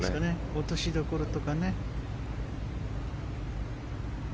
落としどころとかね。